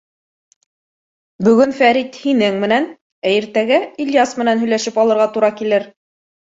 Бөгөн Фәрит һинең менән, ә иртәгә Ильяс менән һөйләшеп алырға тура килер.